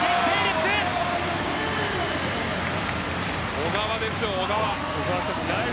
小川ですよ、小川。